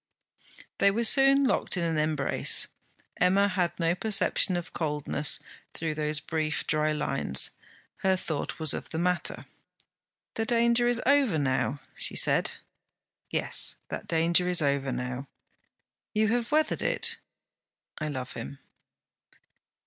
They were soon locked in an embrace. Emma had no perception of coldness through those brief dry lines; her thought was of the matter. 'The danger is over now?' she said. 'Yes, that danger is over now.' 'You have weathered it?' 'I love him.'